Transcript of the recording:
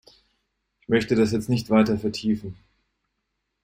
Ich möchte das jetzt nicht weiter vertiefen.